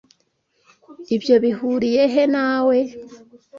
Ibyo bihuriye he nawe?